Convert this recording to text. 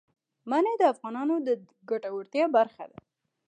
منی د افغانانو د ګټورتیا برخه ده.